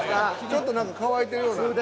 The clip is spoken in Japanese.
ちょっと乾いてるような。